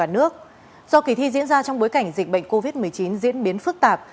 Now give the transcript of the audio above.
do kỳ thi diễn ra trong bối cảnh dịch bệnh covid một mươi chín diễn biến phức tạp